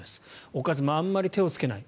おかずもあまり手をつけない。